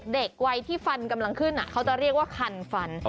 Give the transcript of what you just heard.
เด็กวัยที่ฟันกำลังขึ้นเขาจะเรียกว่าคันฟัน